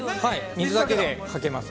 ◆水だけで書けます。